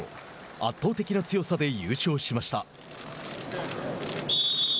圧倒的な強さで優勝しました。